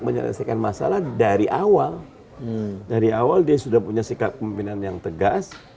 menyelesaikan masalah dari awal dari awal dia sudah punya sikap pemimpinan yang tegas